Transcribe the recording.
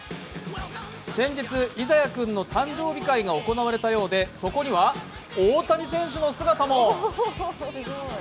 先日、イザヤ君の誕生日会が行われたようでそこには大谷選手の姿も。